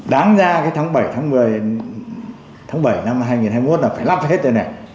đáng ra cái tháng bảy tháng một mươi tháng bảy năm hai nghìn hai mươi một là phải lắp cho hết tờ này